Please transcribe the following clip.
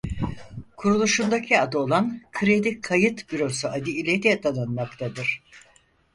Kuruluşundaki adı olan Kredi Kayıt Bürosu adı ile de tanınmaktadır.